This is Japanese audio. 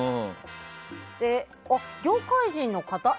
業界人の方。